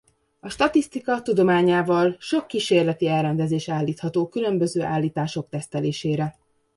A statisztika tudományával sok kísérleti elrendezés állítható különböző állítások tesztelésére.